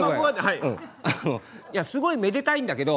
いやすごいめでたいんだけど。